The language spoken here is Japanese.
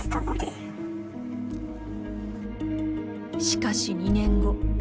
しかし、２年後。